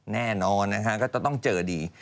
แน่นอนนะคะก็จะต้องเจอดี